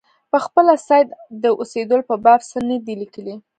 پخپله سید د اوسېدلو په باب څه نه دي لیکلي.